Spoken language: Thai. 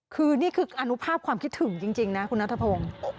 คือนี่คืออนุภาพความคิดถึงจริงนะคุณนัทพงศ์